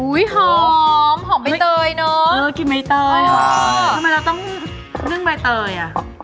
หอมหอมใบเตยเนอะเออกินใบเตยทำไมเราต้องเรื่องใบเตยอ่ะ